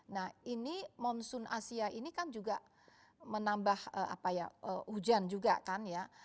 nah ini monsoon asia ini kan juga menambah hujan juga kan ya